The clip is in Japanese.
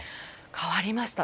変わりました。